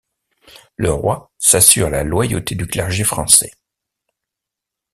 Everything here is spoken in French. Le roi s'assure la loyauté du clergé français.